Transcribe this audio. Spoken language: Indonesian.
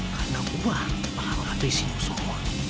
karena umar akan menghabisi semua